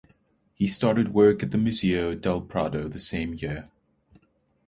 He started work at the Museo del Prado the same year.